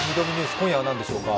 今夜は何でしょうか。